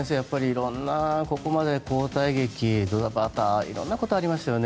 色んな、ここまで交代劇、ドタバタ色んなことがありましたよね。